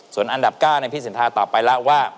ส่วนอันดับ๙พี่สินทาตอบไปแล้วว่า